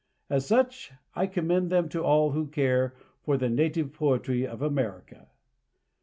As such I commend them to all who care for the native poetry of America.